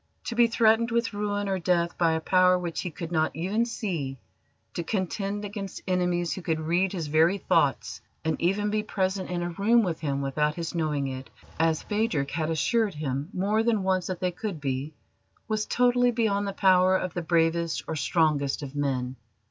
To be threatened with ruin or death by a power which he could not even see, to contend against enemies who could read his very thoughts, and even be present in a room with him without his knowing it as Phadrig had assured him more than once that they could be was totally beyond the power of the bravest or strongest of men.